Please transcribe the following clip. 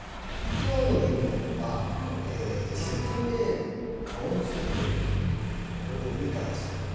今日の授業は説明文・論説文それを理解する。